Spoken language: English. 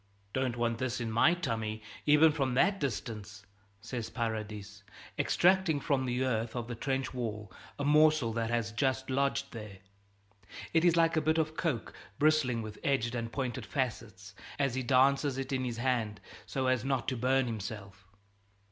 "Don't want this in my tummy, even from that distance," says Paradis, extracting from the earth of the trench wall a morsel that has just lodged there. It is like a bit of coke, bristling with edged and pointed facets, and he dances it in his hand so as not to burn himself.